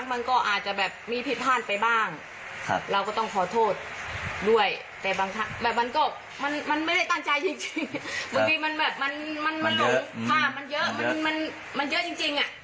มันไม่ได้ตั้งใจจริงมันเยอะจริง